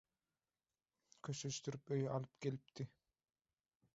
köşeşdirip öýe alyp gelipdi.